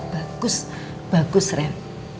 bagus bagus ren